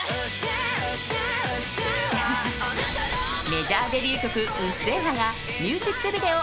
メジャーデビュー曲「うっせぇわ」がミュージックビデオ＆